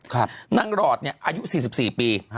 นางรอดเนี่ยอายุ๔๔ปี